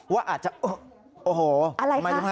ว่าอาจจะโอ้โหทำไมดูน่ะ